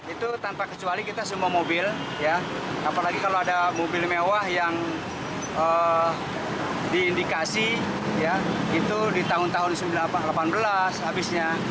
itu tanpa kecuali kita semua mobil apalagi kalau ada mobil mewah yang diindikasi ya itu di tahun tahun delapan belas habisnya